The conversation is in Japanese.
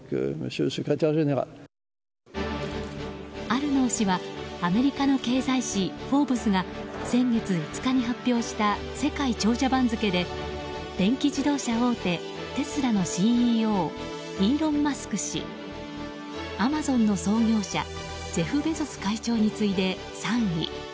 アルノー氏はアメリカの経済誌「フォーブス」が先月５日に発表した世界長者番付で電気自動車大手テスラのＣＥＯイーロン・マスク氏アマゾンの創業者ジェフ・ベゾス会長に次いで３位。